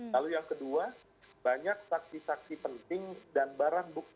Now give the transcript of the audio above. lalu yang kedua banyak saksi saksi penting dan barang bukti